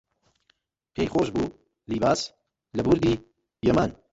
پێی خۆش بوو لیباس لە بوردی یەمان